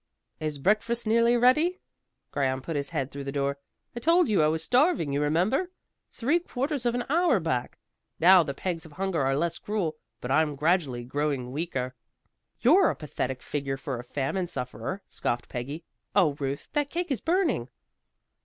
"Is breakfast nearly ready?" Graham put his head through the door. "I told you I was starving you remember, three quarters of an hour back. Now the pangs of hunger are less cruel, but I'm gradually growing weaker." "You're a pathetic figure for a famine sufferer," scoffed Peggy. "Oh, Ruth, that cake is burning."